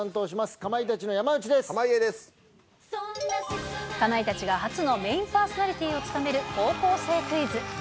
かまいたちが初のメインパーソナリティーを務める、高校生クイズ。